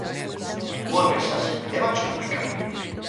–Boa mensaxe, ¿e vancho publicar?